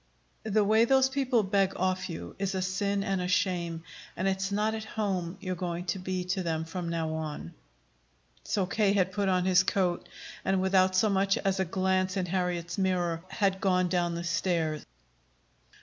The way those people beg off you is a sin and a shame, and it's not at home you're going to be to them from now on." So K. had put on his coat and, without so much as a glance in Harriet's mirror, had gone down the stairs.